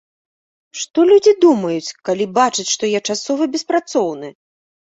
Што людзі думаюць, калі бачаць, што я часова беспрацоўны?